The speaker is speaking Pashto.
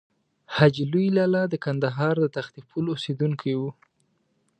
حاجي لوی لالا د کندهار د تختې پل اوسېدونکی و.